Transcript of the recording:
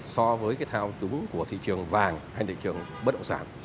so với cái thao túng của thị trường vàng hay thị trường bất động sản